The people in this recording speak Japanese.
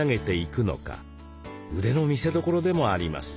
腕の見せどころでもあります。